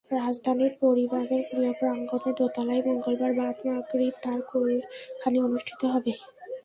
রাজধানীর পরীবাগের প্রিয় প্রাঙ্গণের দোতলায় মঙ্গলবার বাদ মাগরিব তাঁর কুলখানি অনুষ্ঠিত হবে।